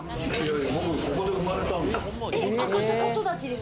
僕ここで生まれたんです。